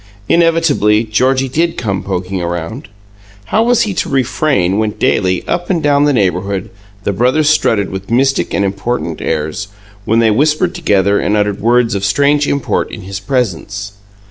Inevitably, Georgie did come poking around. How was he to refrain when daily, up and down the neighbourhood, the brothers strutted with mystic and important airs, when they whispered together and uttered words of strange import in his presence?